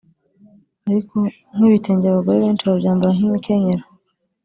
Ariko nk'ibitenge abagore benshi babyambara nk'imikenyero